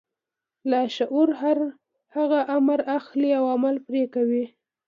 لاشعور هر هغه امر اخلي او عمل پرې کوي.